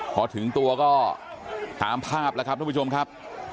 พอถึงตัวก็ตามภาพแล้วครับทุกผู้ชมครับ